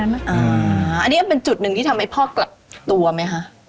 อันนี้เป็นจุดหนึ่งที่ทำให้พ่อกลับตัวไหมคะ